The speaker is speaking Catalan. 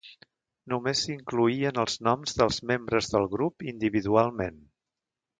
Només s'incloïen els noms del membres del grup individualment.